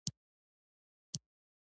بدی خپل سزا لري